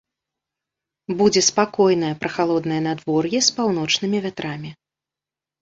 Будзе спакойнае прахалоднае надвор'е з паўночнымі вятрамі.